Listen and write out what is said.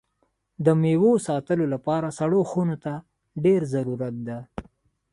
د میوو ساتلو لپاره سړو خونو ته ډېر ضرورت ده.